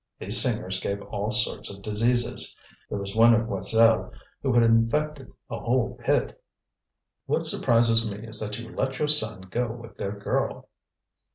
These singers gave all sort of diseases. There was one at Joiselle who had infected a whole pit. "What surprises me is that you let your son go with their girl."